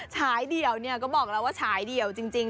ฉายเดี่ยวเนี่ยก็บอกแล้วว่าฉายเดี่ยวจริง